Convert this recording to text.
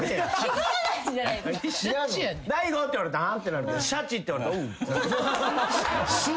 「大悟」って言われたらあん？ってなるけど「シャチ」って言われたらおうって。